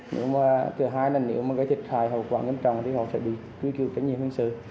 nhưng mà thứ hai là nếu mà gây thiệt hại hậu quả nghiêm trọng thì họ sẽ bị truy cứu trách nhiệm hình sự